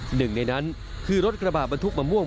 หนึ่งในนั้นคือรถกระบาดบรรทุกมะม่วง